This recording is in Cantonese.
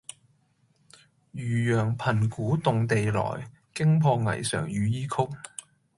漁陽鼙鼓動地來，驚破霓裳羽衣曲。